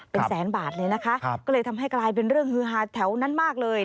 เป็นแสนบาทเลยนะคะก็เลยทำให้กลายเป็นเรื่องฮือฮาแถวนั้นมากเลย